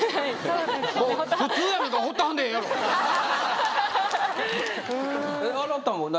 うーんあなたも何？